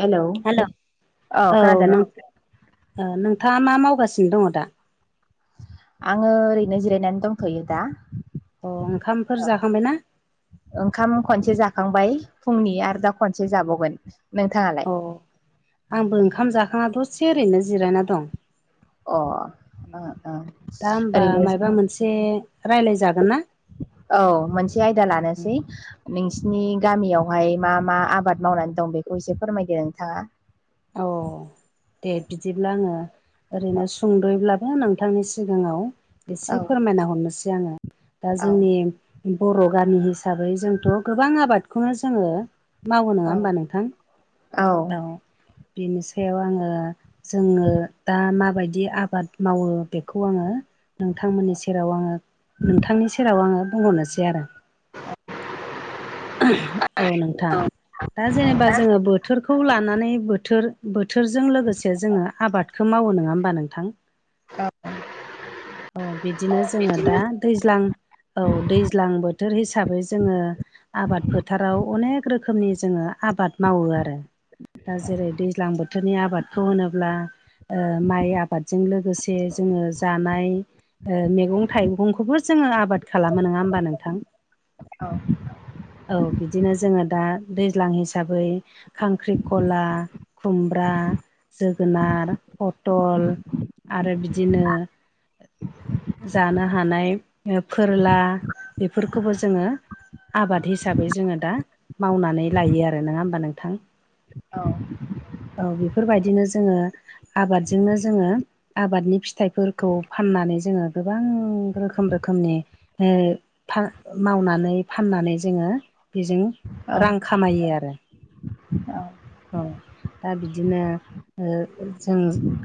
Hello hello औ नों नोंथाङा मा मावगासिनो दङ दा? आङो ओरैनो जिरायनानै दंथ'यो दा। अ ओंखामफोर जाखांबाय ना? ओंखाम खनसे जाखांबाय फुंनि, आरो दा खनसे जाबावगोन। नोंथाङालाय? अह आंबो ओंखाम जाखांना दसे ओरैनो जिरायना दं। अ ओ ओ दा होमबा ओरैनो मायबा मोनसे रायलाय जागोन ना? औ मोनसे आयदा लानोसै। नोंसिनि गामियावहाय मा मा आबाद मावनानै दं बेखौ एसे फोरमायदो नोंथाङा। औ दे बिदिब्ला आङो औ ओरैनो सुंद'यैब्लाबो नोंथांनि सिगाङाव एसे औ फोरमायना हरनोसै आङो। दा जोंनि बर' गामि हिसाबै जोंथ' गोबां आबादखौनो जोङो मावो, नङा औ होमबा नोंथां? औ बेनि सायाव आङो जोङो दा माबायदि आबाद मावो बेखौ आङो नोंथांमोननि सेराव आङो, नोंथांनि सेराव आङो बुंहरनोसै आरो। औ नोंथां। दा जेनेबा जोङो बोथोरखौ लानानै बोथोर बोथोरजों लोगोसे जोङो आबादखौ मावो नङा होमबा नोंथां? [unintelligible] औ बिदिनो जोङो बिदिनो दा दैज्लां, औ दैज्लां बोथोर हिसाबै जोङो आबाद फोथाराव अनेक रोखोमनि जोङो आबाद मावो आरो। दा जेरै दैज्लां बोथोरनि आबादखौ होनोब्ला ओ माइ आबादजों लोगोसे जोङो जानाय ओ मैगं थाइगंखौबो जोङो आबाद खालामो नङा होमबा नोंथां? औ औ बिदिनो जोङो दा दैज्लां हिसाबै खांख्रिखला, खुमब्रा, जोगोनार, पथल आरो बिदिनो जानो हानाय ओ फोरला बेफोरखौबो जोङो आबाद हिसाबै जोङो दा मावनानै लायो आरो, नङा होमबा नोंथां? औ औ बिफोरबायदिनो जोङो आबादजोंनो जोङो आबादनि फिथाइफोरखौ फाननानै जोङो गोबां रोखोम रोखोमनि हो फा मावनानै फाननानै जोङो बिजों औ रां खामायो आरो औ औ दा बिदिनो ओ जों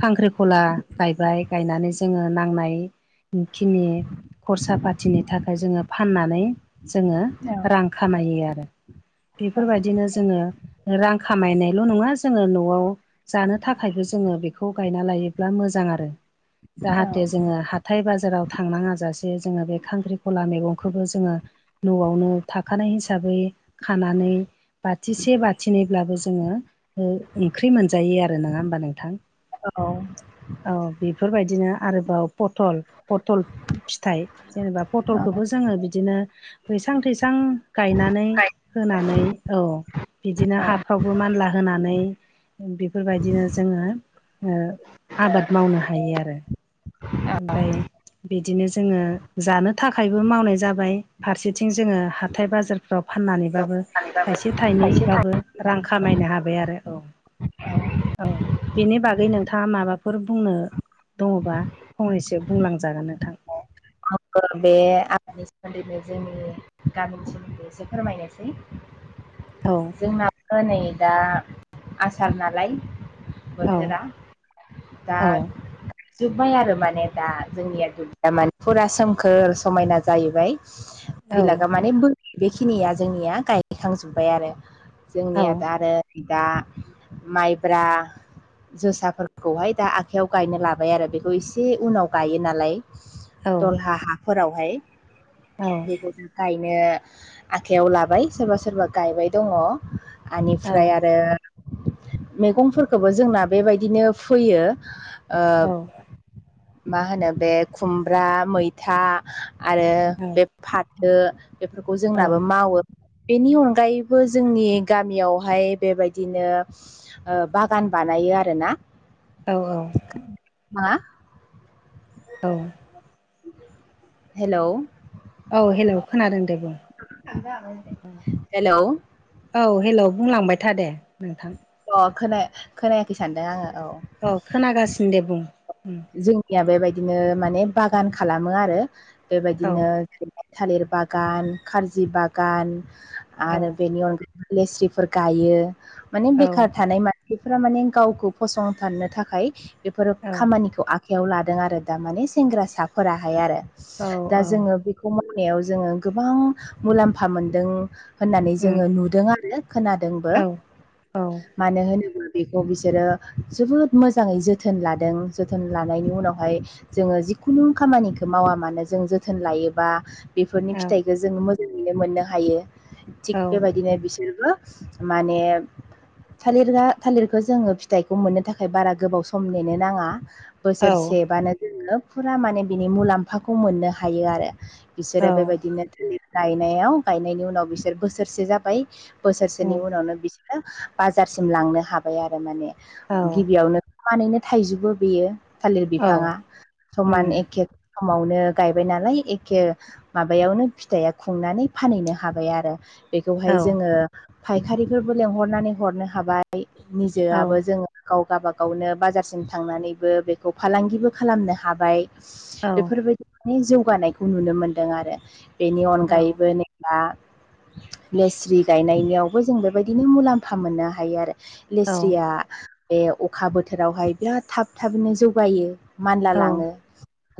खांख्रिखला गायबाय गायनानै जोङो नांनाय खिनि खरसा फाथिनि थाखाय जोङो फाननानै जोङो रां खामायो आरो बेफोरबायदिनो जोङो रां खामायनायल' नङा जोङो न'आव जानो थाखायबो जोङो बेखौ गायना लायोब्ला मोजां आरो जाहाथे जोङो हा थाय बाजाराव थांनाङा जासे जोङो बे खांख्रिखला मैगंखौबो जोङो न'आवनो थाखानाय हिसाबै खानानै बाथिसे बाथिनै ब्लाबो जोङो ओ-ओंख्रि मोनजायो आरो नङा होमबा नोंथां औ औ बेफोरबायदिनो आरोबाव पटल पटल फिथाइ जेनेबा पटलखौबो जोङो बिदिनो बैसां थैसां गायनानै होनानै औ बिदिनो हाब फ्रावबो मानला होनानै बिफोरबायदिनो जोङो ओ आबाद मावनो हायो आरो ओमफ्राय बिदिनो जोङो जानो थाखायबो मावनाय जाबाय फारसेथिं जोङो हाथाय बाजार फाननानैबाबो खायसेबाबो थाइसे खायसे थाइनैबाबो रां खामायनो हाबाय आरो औ थायो औ बेनि बागै नोंथाङा माबाफोर बुंनो दङबा फंनैसो बुंलांजागोन नोंथां [unintelligible] सोमोन्दैनो जोंनि गामिनि सोमोन्दै एसे फोरमायनोसै औ जोंनाबो नै दा आसार नालाय औ बोथोरा दा औ जोबबाय आरो माने दा जोंनिया दुब्लिया माने फुरा सोमखोर समायना जाहैबाय औ बिलागा माने माने बो बेखिनिया जोंनिया गायखांजोब्बाय आरो औ जोंनिया दा आरो भिदा माइब्रा जोसाफोरखौहाय दा आखाइयाव गायनो लाबाय आरो बेखौ एसे उनाव गायो नालाय औ दलहा हाफोरावहाय औ बेखौ गायनो आखाइयाव लाबाय सोरबा सोरबा गायबाय दङ औ आनिफ्राय आरो मैगंफोरखौबो जोंना बेबायदिनो फोयो औ ओब मा होनो बे खुमब्रा मैथा आरो बे फाथो बेफोरखौ जोंनाबो मावो बेनि अनगायैबो जोंनि गामियावहाय बेबायदिनो ओ बागान बानायो आरोना औ औ मा औ हेलौ औ हेलौ खोनादों दे बुं हेलौ औ हेलौ बुंलांबाय था दे नोंथां। अ खोनाया खोनायाखै सानदों आङो औ। अ खोनागासिनो दे बुं उम। जोंनिया बेबायदिनो माने बागान खालामो आरो औ बेबायदिनो थालिर बागान खार्जि बागान औ आरो बेनि अन लेस्रिफोर गायो माने औ बेखार थानाय मा बेफोरा माने गावखौ फसंथानो थाखाय बेफोरो औ खामानि खौ आखाइयाव लादों आरो दा माने सेंग्रासाफोराहाय आरो औ दा औ जोङो बि खौ मावनायाव जोङो गोबां मुलाम्फा मोनदों। होननानै उम जोङो नुदों आरो खोनादोंबो। औ औ मानो होनोब्ला बेखौ बिसोरो जोबोद मोजाङै जोथोन लादों। जोथोन लानायनि उनावहाय जोङो जिखुनु खामानिखौ मावा मानो जों जोथोन लायोबा बेफोरनि फिथाइखो जोङो मोजाङैनो मोननो हायो। औ थिग बेबायदिनो बिसोरबो माने थालिरा थालिरखो जोङो फिथाइखौ मोननो थाखाय बारा गोबाव सम नेनो नाङा। बोसोरसेबानो जोङो फुरा माने बिनि मुलाम्फाखौ मोननो हायो आरो बिसोरो औ बेबायदिनो थालिर गायनायाव गायनायनि उनाव बिसोर बोसोरसे जाबाय। बोसोरसेनि उम उनावनो बिसोरो बाजारसिम लांनो हाबाय आरो माने औ गिबियावनो समानैनो थाइजुबो बेयो थालिर औ बिफाङा उम समान एखे समावनो गायबाय नालाय एखे माबायावनो फिथाया खुंनानै फानहैनो हाबाय आरो बेखौहाय औ जोङो फायखारिफोरबो लेंहरनानै हरनो हाबाय औ निजोआबो जोङो गाव गाबागावनो बाजारसिम थांनानैबो बेखौ फालांगिबो खालामनो हाबाय। नोंथां बेफोरबायदिनि जौगानायखौ नुनो मोनदों आरो बेनि अनगायैबो नो बा लेस्रि गायनायनियावबो जों बेबायदिनो मुलाम्फा मोननो हायो आरो औ लेस्रिया बे अखा बोथोरावहाय बिराद थाब थाबैनो जौगायो। मानला औ लाङो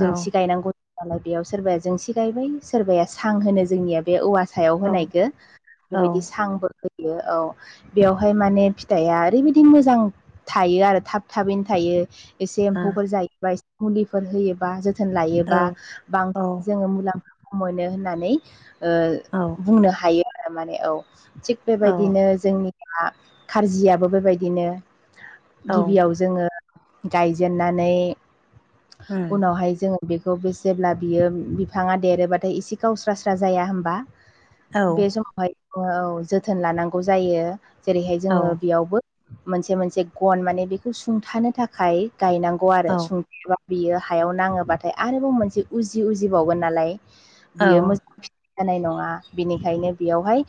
जोंसि गायनांगौ होनबानो बेयाव सोरबाया जोंसि गायबाय सोरबाया सां होनो जोंनिया बे औवा सायाव औ होनायखो बेबायदि सांबो होयो औ बेवहाय माने फिथाइया ओरैबायदि मोजां थायो आरो थाब थाबैनो थायो। एसे एम्फौफोर जायोबा ए मुलिफोर होयोबा जो थोन लायोबा बांसिन जोङो मुलाम्फाखौ मोनो होननानै ओ बुंनो हायो आरो माने औ थिग बेबायदिनो जोंनि आ खार्जियाबो बेबायदिनो गिबियाव जोङो गायजेननानै उनावहाय जोङो बेखौ बे जेब्ला बियो बिफाङा देरोबाथाय एसे गावस्रा स्रा जाया होमबा बे समावहाय अ औ जोथोन लानांगौ जायो। जेरैहाय जोङो बेयावबो मोनसे मोनसे गन माने बेखौ सुंथानो थाखाय गायनांगौ आरो सुं [unintelligible] बियो हायाव नाङोबाथाय आरोबाव मोनसे उजि उजिबावगोन नालाय बियो मोज [unintelligible] जानाय नङा बेनिखायनो बेयावहाय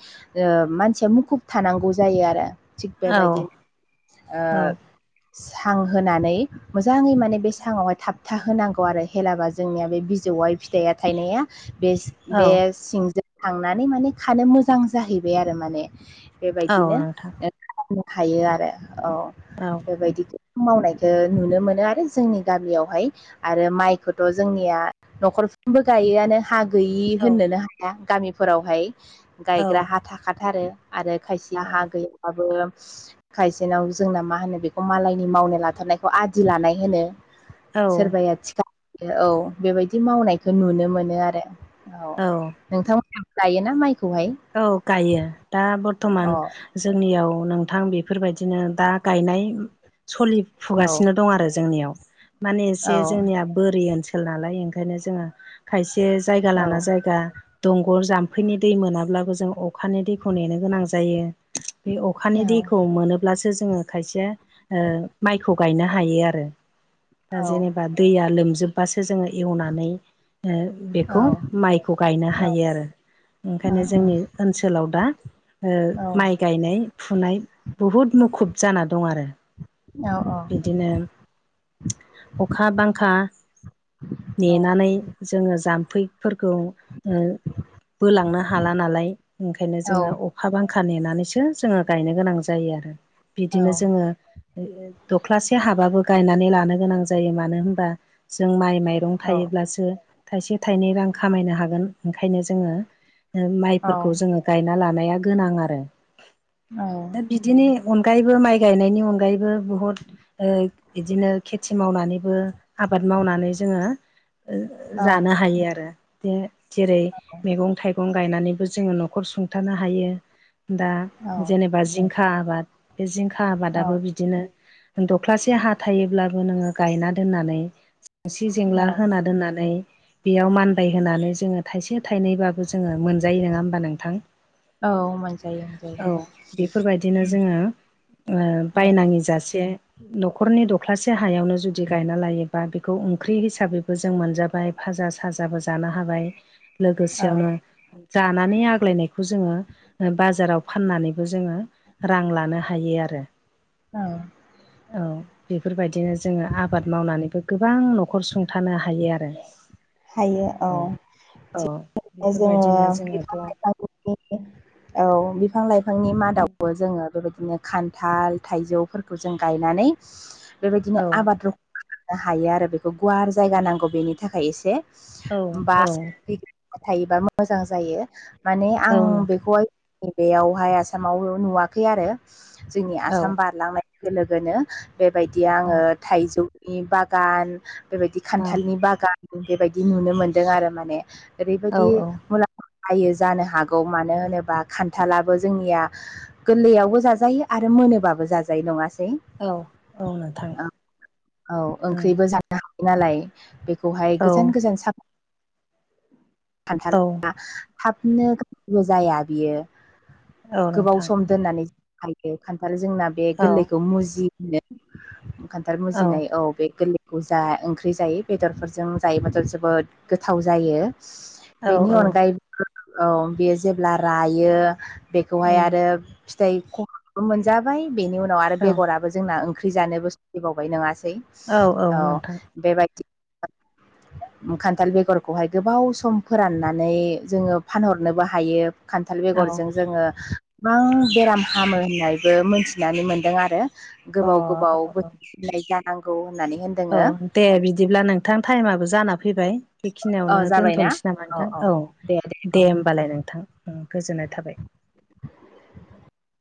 ओ मानसिया मुखुब थानांगौ जायो आरो थिग बेबायदिनो ओ सां होनानै मोजाङै माने बे साङावहाय थाबथा होनांगौ आरो हेलाबा जोंनिया बे बिजौआय फिथाइया थाइनाया बेस बे सिंजों थांनानै माने खानो मोजां जाहैबाय आरो माने बेबायदिनो ओ खालामनो हायो आरो अ औ बेबायदिखो मावनायखो नुनो मोनो आरो जोंनि गामियावहाय आरो माइखौथ' जोंनिया न'खरफ्रोमबो गायोआनो। हा गैयि होननोनो हाया गामिफोरावहाय गायग्रा हा थाखाथारो। आरो खायसेया हा गैयाबाबो खायसेनाव जोंना मा होनो बेखौ मालाय मावनो लाथारनायखौ आदि लानाय होनो औ सोरबाया थिखा होयो औ। बेबायदि मावनायखौ नुनो मोनो आरो औ नोंथांमोनाबो गायोना माइखौहाय? औ गायो दा बर्थमान अ जोंनियाव नोंथां बेफोरबायदिनो दा गायनाय सलि औ फुगासिनो दं आरो जोंनियाव माने औ एसे जोंनियाव बोरि ओनसोल नालाय ओंखायनो जोङो खायसे जायगा औ लाना जायगा दंग जाम्फैनि दै मोनाब्लाबो जों अखानि दैखौ नेनो गोनां जायो। बे अखानि दैखौ मोनोब्लासो जोङो खायसे ओ माइखौ गायनो हायो आरो दा औ जेनेबा दैया लोमजोबबासो जोङो एवनानै बेखौ औ माइ फोरखौ गायनो हायो आरो बेखायनो जोंनि ओनसोलाव दा ओ औ माइ गायनाय फुनाय बहुद मुखुब जाना दं आरो। औ औ बिदिनो अखा बांखा नेनानै जोङो जाम्फैफोरखौ ओ बोलांनो हाला नालाय ओंखायनो जोङो अखा बांखा नेनानैसो जोङो गायनो गोनां जायो आरो। बिदिनो जोङो दख्लासे हाबाबो गायनानै लानो गोनां जायो मानो होनबा जों माइ माइ‌ मैगं थायोब्लासो थाइसे थाइनै रां खामायनो हागोन ओंखायनो जोङो माइफोरखौ जोङो गायना लानाया गोनां आरो औ बिदिनि अनगायैबो माइ गायनायनि अनगायैबो बुहुद ओ बिदिनो खेथि मावनानैबो आबाद मावनानै जोङो जानो हायो आरो बे जेरै मैगं थाइगं मैगं गायनानैबो जोङो न'खर सुंथानो हायो दा औ जेनेबा जिंखा आबाद। बे जिंखा औ आबादाबो गि बिदिनो दख्लासे हा थायोब्लाबो नोङो गायना दोननानै जेंसि जेंला औ होना दोननानै बेयाव मानबाय होनानै जोङो थाइसे थाइनैबाबो बेखौ जोङो मोनजायो नङा होमबा नोंथां? मोनजायो मोनजायो औ बेफोरबायदिनो जोङो ओ औ बायनाङै जासे न'खरनि दख्लासे हायावनो जुदि गायना लायोबा बेखौ ओंख्रि हिसाबैबो जों मोनजाबाय बाजा साजाबो जानो हाबाय लोगो औ बियावनो जानानै आग्लायनायखौ जोङो बाजाराव फाननानैबो जोङो रां लानो हायो आरो। औ औ बेफोरबायदिनो जोङो आबाद मावनानैबो गोबां न'खर सुंथानो हायो आरो औ औ। अ जोङो बेफोरबायदिनो जोङोथ' [unintelligible] औ बिफां लाइफांनि मादावबो जोङो बेबायदिनो खान्थाल थाइजौफोरखौ जों गायनानै बेबायदिनो औ आबाद नो हायो आरो बेखौ गुवार जायगा नांगौ बेनि थाखाय एसे औ बा औ थायोबा मोजां जायो माने औ आं नोंथां बेखौहाय नै बेयावहाय आसामाव नुवाखै आरो जोंनि औ आसाम बारलांनाय लोगो लोगोनो बेबायदि औ आङो थाइजौनि बागान बेबायदि औ खान्थालनि बागान बेबायदि नुनो मोन्दों आरो माने औ ओरैबायदि औ मुलाम्फा बायो जानो हागौ मानो होनोबा खान्थालाबो जोंनिया गोरलैयावबो जाजायो आरो मोनोबाबो जाजायो नङासै? औ औ नोंथां औ उम ओंख्रिबो जानो हाग नालाय बेखौहाय औ गोजान गोजान साफा औ खान्थलाा हाबनो गलबो जाया बियो औ गोबाव नोंथां सम दोननानै ज हायो खान्थाल जोंना बे औ गोरलैखौ मुजि होनो खान्थाल मुजिनाय औ बे गोरलै औजा ओंख्रि जायो बेदरफोरजों जायोब्लाथ' जोबोद गोथाव जायो। औ बेनि औ अनगायै औ बेयो जेब्ला रायो बेखौहाय उम आरो फिै खमबो मोनजाबाय बेनि उनाव आरो औ बेगराबो जोंना ओंख्रि जानोबो सोलिबावबाय नङासै औ औ नोंथां। बेबायदि खान्थाल बेगरखौहाय गोबाव सम फोराननानै जोङो फानहरनोबो हायो। खान्थाल औ बेगरजों जोङो गोबां बेराम हामो होननायबो मोनथिनानै मोनदों आरो अ औ गोबाव गोबाव औ बोसोर नाय जानांगौ होननानै होन औ दे बिदिब्ला नोंथां टाइमाबबो जाना फैबाय बेखिनियावनो दोनथ'नोसै नामा नोंथां औ दे होमबालाय नोंथां गोजोननाय थाबाय। [inaudible]